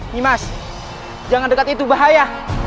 nimas jangan dekat itu bahaya